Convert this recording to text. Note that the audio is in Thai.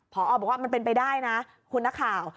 พอบอกว่ามันเป็นไปได้นะคุณนักข่าว